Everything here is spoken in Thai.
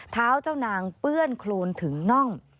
เท้าเจ้านางเปื้อนโครนถึงน่อง